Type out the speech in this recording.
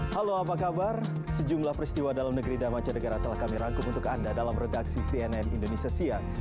halo apa kabar sejumlah peristiwa dalam negeri dan mancanegara telah kami rangkum untuk anda dalam redaksi cnn indonesia siang